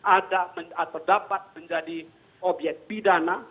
ada atau dapat menjadi obyek pidana